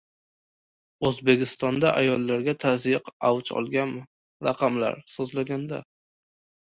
O‘zbekistonda ayollarga tazyiq avj olganmi? Raqamlar “so‘zlaganda”